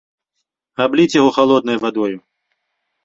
Абліць яго халоднай вадою!